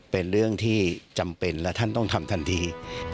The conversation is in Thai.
เป็นเรื่องที่จำเป็นและท่านต้องทำทันที